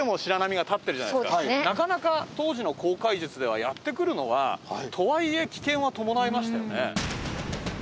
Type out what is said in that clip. なかなか当時の航海術ではやって来るのはとはいえ危険は伴いましたよね。